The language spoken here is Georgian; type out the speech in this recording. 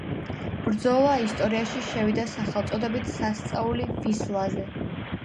ბრძოლა ისტორიაში შევიდა სახელწოდებით „სასწაული ვისლაზე“.